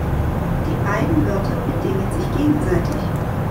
Die beiden Wörter bedingen sich gegenseitig.